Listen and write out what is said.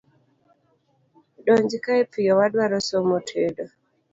Donjkae piyo wadwaro somo tedo.